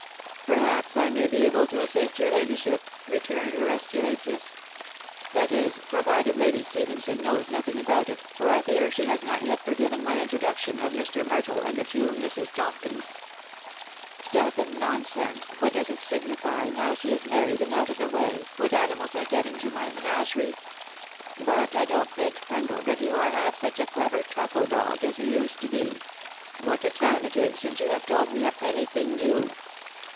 " Perhaps I may be able to assist your ladyship,"* returned her Esculapius ;" that is, provided Lady Stephenson knows nothing about it, for I fear she has not yet forgiven my intro duction of Mr. Myrtle and the two Misses Tonkins." " Stuff and nonsense !.... What does it signify, now she is married and out of the way, what animala I get into my .. r rr TBOI WIDOW BARNABT* 2Q§ menagerie ?.... But I don't think, Pringle, that yon are half such a clever truffle dog as you used to be .... What a time it is since you have told me of any thing new